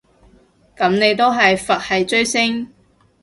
噉你都係佛系追星